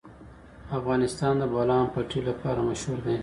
افغانستان د د بولان پټي لپاره مشهور دی.